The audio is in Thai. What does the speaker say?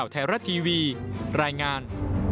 แถวรัดทีวีรายงาน